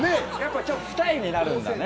ちょっと二重になるんだね。